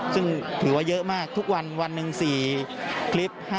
ซึ่งถือว่าเยอะมากทุกวันวันหนึ่ง๔คลิป